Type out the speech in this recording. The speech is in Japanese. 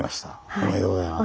おめでとうございます。